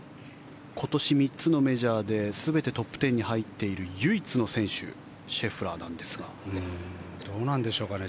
今年３つのメジャーで全てトップ１０に入っている唯一の選手どうなんでしょうかね。